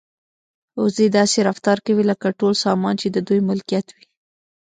وزې داسې رفتار کوي لکه ټول سامان چې د دوی ملکیت وي.